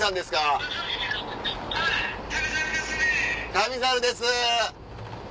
『旅猿』です。